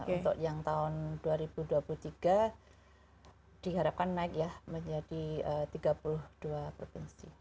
untuk yang tahun dua ribu dua puluh tiga diharapkan naik ya menjadi tiga puluh dua provinsi